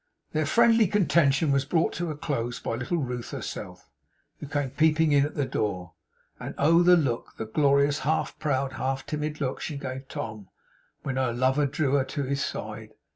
Their friendly contention was brought to a close by little Ruth herself, who came peeping in at the door. And oh, the look, the glorious, half proud, half timid look she gave Tom, when her lover drew her to his side!